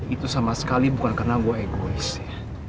itu sama sekali bukan karena gue egois ya